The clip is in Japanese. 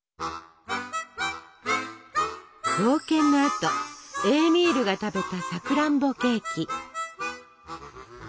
冒険のあとエーミールが食べたさくらんぼケーキ。